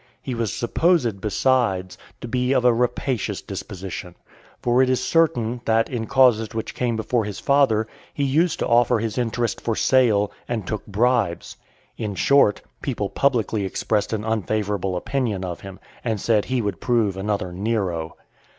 He was supposed, besides, to be of a rapacious disposition; for it is certain, that, in causes which came before his father, he used to offer his interest for sale, and take bribes. In short, people publicly expressed an unfavourable opinion of him, and said he would prove another Nero.